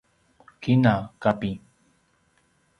kina: kapi